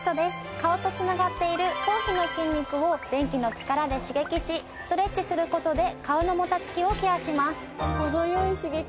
顔と繋がっている頭皮の筋肉を電気の力で刺激しストレッチする事で顔のもたつきをケアします。